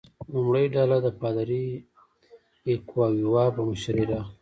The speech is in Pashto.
لومړۍ ډله د پادري اکواویوا په مشرۍ راغله.